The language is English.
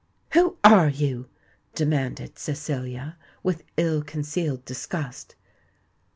"Who are you?" demanded Cecilia, with ill concealed disgust.